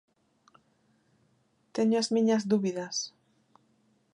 Teño as miñas dúbidas.